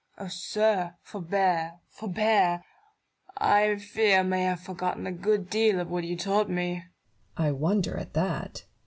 Nev^ton. Oh, sir ! forbear, forbear ! I fear I may have forgotten a good deal of what you taught me. Barrow. I wonder at that.